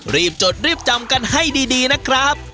จดรีบจำกันให้ดีนะครับ